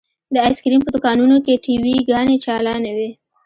د ايسکريم په دوکانونو کښې ټي وي ګانې چالانې وې.